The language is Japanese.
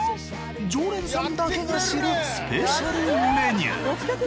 常連さんだけが知るスペシャルメニュー。